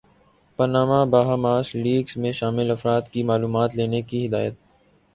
Panama Bahamas leaks میں شامل افراد کی معلومات لینے کی ہدایت